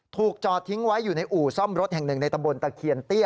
จอดทิ้งไว้อยู่ในอู่ซ่อมรถแห่งหนึ่งในตำบลตะเคียนเตี้ย